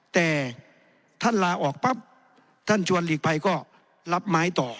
แต่ท่านลาออกปั๊บท่านชวนหลีกภัยก็รับไม้ต่อ